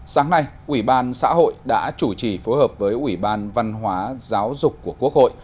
sáng nay ủy ban xã hội đã chủ trì phối hợp với ủy ban văn hóa giáo dục của quốc hội